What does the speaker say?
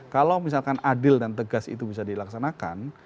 kalau misalkan adil dan tegas itu bisa dilaksanakan